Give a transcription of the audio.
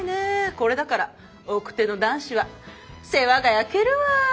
これだから奥手の男子は世話が焼けるわ。